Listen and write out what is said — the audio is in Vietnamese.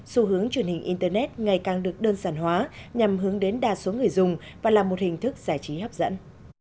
xu hướng truyền hình internet ngày càng được đơn giản hóa nhằm hướng đến đa số người dùng và là một hình thức giải trí hấp dẫn